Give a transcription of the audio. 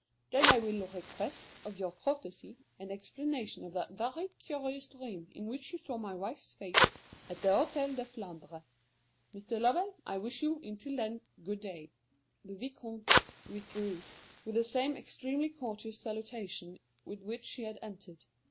Then I will request, of your courtesy, an explanation of that very curious dream in which you saw my wife's face at the Hôtel de Flandre. Mr. Lovell, I wish you, until then, good day." The Vicomte withdrew, with the same extremely courteous salutation with which he had entered.